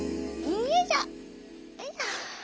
よいしょ。